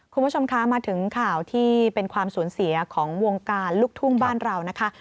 คุณผู้ชมคะมาถึงข่าวที่เป็นความสูญเสียของวงการลูกทุ่งบ้านเรานะคะ